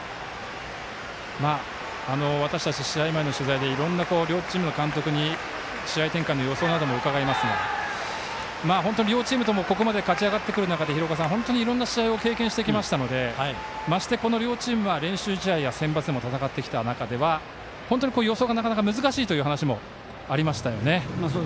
私たち、試合前の取材でいろんな両チームの監督に試合展開の予想などを伺いますが両チームともここまで勝ち上がってくる中で本当に、いろんな試合を経験してきましたのでまして、この両チームは練習試合やセンバツでも戦ってきた中で予想がなかなか難しいというお話もありましたよね。